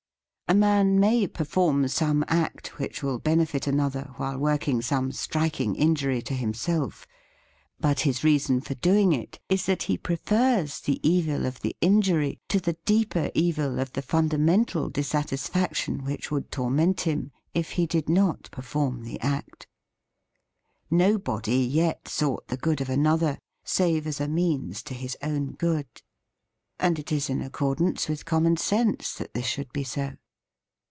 A man may perform some act which will benefit another while working some striking injury to himself. But his reason for doing it is that he prefers the evil of the injury to the deeper evil of the THE FEAST OF ST FRIEND fundamental dissatisfaction which would torment him if he did not per form the act. Nobody yet sought the good of another save as a means to his own good. And it is in accordance with common sense that this should be so.